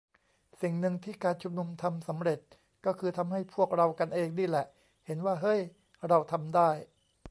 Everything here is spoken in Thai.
สิ่งนึงที่การชุมนุมทำสำเร็จ ก็คือทำให้พวกเรากันเองนี่แหละ เห็นว่า "เฮ้ย เราทำได้"